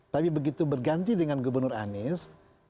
tapi begitu berganti dengan gubernur anies